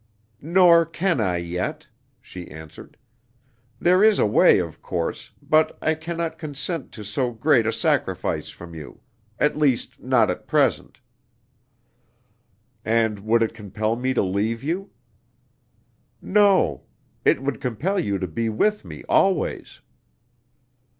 "Nor can I yet," she answered. "There is a way, of course, but I can not consent to so great a sacrifice from you; at least, not at present." "And would it compel me to leave you?" "No; it would compel you to be with me always."